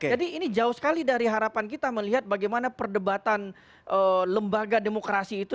jadi ini jauh sekali dari harapan kita melihat bagaimana perdebatan lembaga demokrasi itu